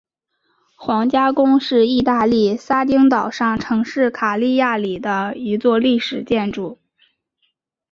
皇家宫是义大利撒丁岛上城市卡利亚里的一座历史建筑。